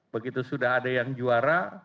begitu sudah ada yang juara